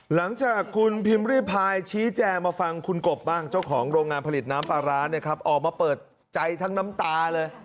หลังจากคุณพิมพ์ริพายชี้แจงมาฟังคุณกบบ้างเจ้าของโรงงานผลิตน้ำปลาร้าเนี่ยครับออกมาเปิดใจทั้งน้ำตาเลย